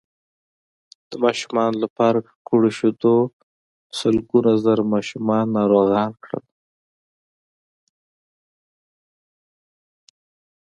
د ماشومانو لپاره ککړو شیدو سلګونه زره ماشومان ناروغان کړل